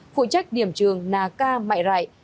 phụ trách điểm trường nà ca mại rại